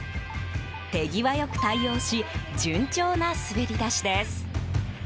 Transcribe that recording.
手際良く対応し順調な滑り出しです。